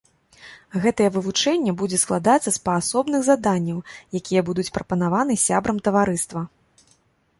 Гэтае вывучэнне будзе складацца з паасобных заданняў, якія будуць прапанаваны сябрам таварыства.